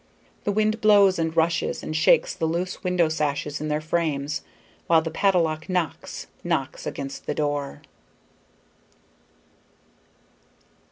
The wind blows and rushes and shakes the loose window sashes in their frames, while the padlock knocks knocks against the door.